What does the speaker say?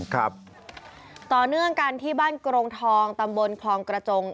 ต่อเนื่องกันที่บ้านกรงทองตำบลคลองกระจง